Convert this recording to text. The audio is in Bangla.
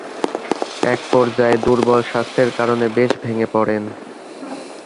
এক পর্যায়ে দূর্বল স্বাস্থ্যের কারণে বেশ ভেঙ্গে পড়েন।